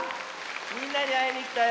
みんなにあいにきたよ。